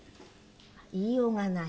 言いようがない？